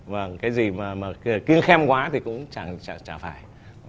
và cái gì mà kiêm khem quá thì cũng chẳng phải